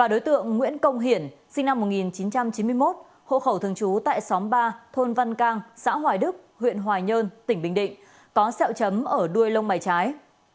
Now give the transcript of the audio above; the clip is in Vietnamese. đối tượng nguyễn công hiển sinh năm một nghìn chín trăm chín mươi một hộ khẩu thường trú tại xóm ba thôn văn cang xã hoài đức huyện hoài nhơn tỉnh bình định có xeo chấm ở đuôi lông mày trái